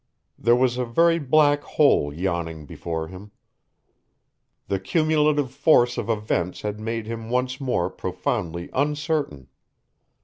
There was a very black hole yawning before him. The cumulative force of events had made him once more profoundly uncertain.